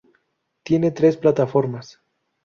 Tiene tres plataformas.